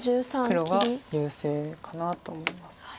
黒が優勢かなと思います。